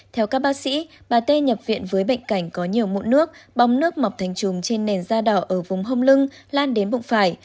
theo các bác sĩ bà tê nhập viện với bệnh cảnh có nhiều mụn nước bong nước mọc thành trùng trên nền da đỏ ở vùng hông lưng lan đến bụng phải